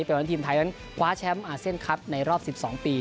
เป็นวันทีมไทยกลับมาคว้าแชมป์อาเซียนคับในรอบ๑๒ปี